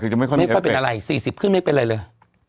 คือจะไม่ค่อยเป็นไม่ค่อยเป็นอะไรสี่สิบขึ้นไม่เป็นอะไรเลย